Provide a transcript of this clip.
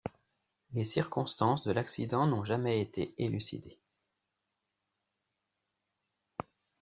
Les circonstances de l'accident n'ont jamais été élucidées.